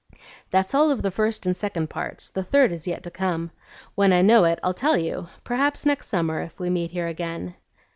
"That's all of the first and second parts; the third is yet to come. When I know it, I'll tell you; perhaps next summer, if we meet here again."